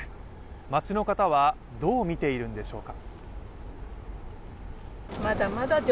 街の方は、どう見ているんでしょうか。